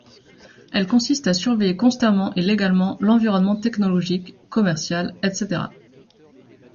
Elle consiste à surveiller constamment et légalement l’environnement technologique, commercial, etc.